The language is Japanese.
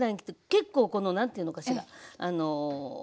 結構この何ていうのかしらあの。